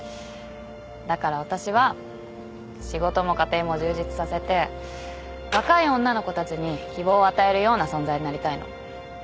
だから私は仕事も家庭も充実させて若い女の子たちに希望を与えるような存在になりたいの。